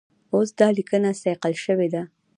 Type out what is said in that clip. اوس دا لیکنه صیقل شوې ده.